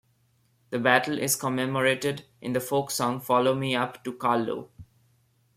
The battle is commemorated in the folk song "Follow me up to Carlow".